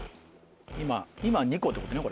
今２個ってことねこれ。